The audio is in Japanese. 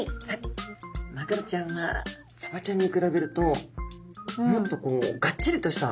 マグロちゃんはサバちゃんに比べるともっとこうがっちりとした。